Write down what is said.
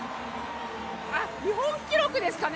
あっ、日本記録ですかね。